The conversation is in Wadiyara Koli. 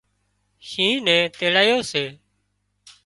شينهن نين تيڙايو سي